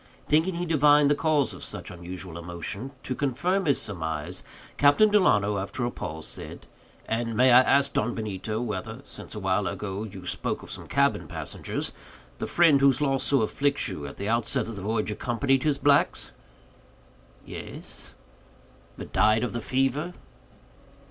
Thinking he divined the cause of such unusual emotion, to confirm his surmise, Captain Delano, after a pause, said: "And may I ask, Don Benito, whether—since awhile ago you spoke of some cabin passengers—the friend, whose loss so afflicts you, at the outset of the voyage accompanied his blacks?" "Yes." "But died of the fever?"